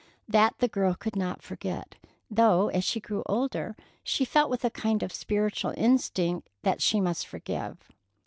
That the girl could not forget, though as she grew older she felt with a kind of spiritual instinct that she must forgive.